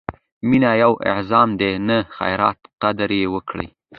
مینه یو اعزاز دی، نه خیرات؛ قدر یې وکړئ!